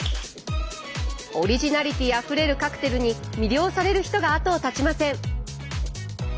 オリジナリティーあふれるカクテルに魅了される人が後を絶ちません。